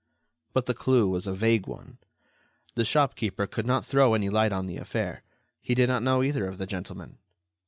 But the clue was a vague one. The shopkeeper could not throw any light on the affair. He did not know either of the gentlemen.